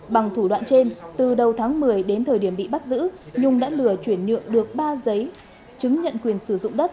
bằng thủ đoạn trên từ đầu tháng một mươi đến thời điểm bị bắt giữ nhung đã lừa chuyển nhượng được ba giấy chứng nhận quyền sử dụng đất